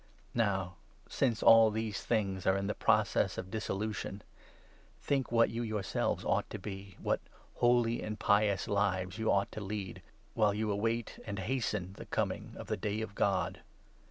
Now, since n all these things are in the process of dissolution, think what you yourselves ought to be — what holy and pious lives you ought to lead, while you await and hasten the coming of the 12 Day of God.